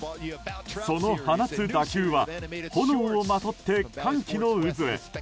その放つ打球は炎をまとって歓喜の渦へ。